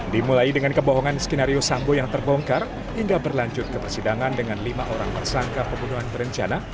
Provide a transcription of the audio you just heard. dimulai dengan kebohongan skenario sambo yang terbongkar hingga berlanjut ke persidangan dengan lima orang tersangka pembunuhan berencana